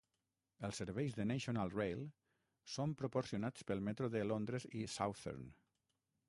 Els serveis de National Rail són proporcionats pel metro de Londres i Southern.